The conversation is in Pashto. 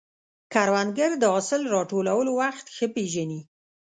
کروندګر د حاصل راټولولو وخت ښه پېژني